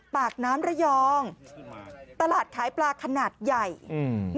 ปากน้ำระยองตลาดขายปลาขนาดใหญ่อืม